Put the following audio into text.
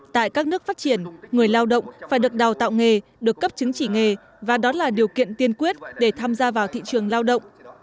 tại các nước phát triển người lao động phải được đào tạo nghề được cấp chứng chỉ nghề và đó là điều kiện tiên quyết để tham gia vào thị trường lao động